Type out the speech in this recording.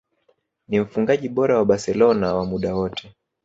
Ni mfungaji bora wa Barcelona wa muda wote